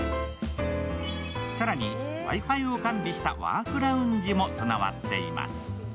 更に、Ｗｉ−Ｆｉを完備したワークラウンジも備わっています。